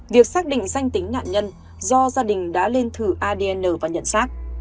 việc xác định danh tính nạn nhân do gia đình đã lên thử adn và nhận xác